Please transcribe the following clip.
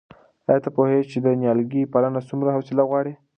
آیا ته پوهېږې چې د نیالګیو پالنه څومره حوصله غواړي؟